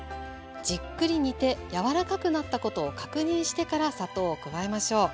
じっくり煮て柔らかくなったことを確認してから砂糖を加えましょう。